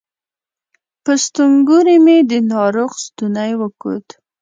په ستونګوري مې د ناروغ ستونی وکوت